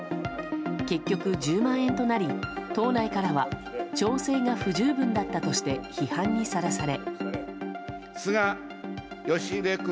結局１０万円となり党内からは調整が不十分だったとして批判にさらされ。